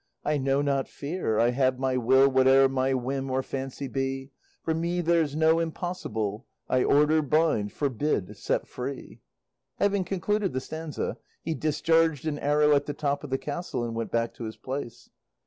I know not fear, I have my will, Whate'er my whim or fancy be; For me there's no impossible, I order, bind, forbid, set free. Having concluded the stanza he discharged an arrow at the top of the castle, and went back to his place.